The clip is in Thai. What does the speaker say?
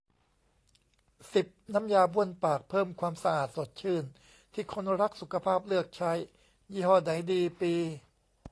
สิบ น้ำยาบ้วนปาก เพิ่มความสะอาด สดชื่น ที่คนรักสุขภาพเลือกใช้ ยี่ห้อไหนดี ปี